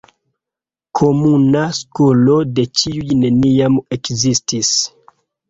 Komuna skolo de ĉiuj neniam ekzistis.